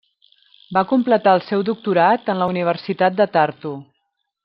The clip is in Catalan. Va completar el seu doctorat en la Universitat de Tartu.